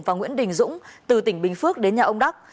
và nguyễn đình dũng từ tỉnh bình phước đến nhà ông đắc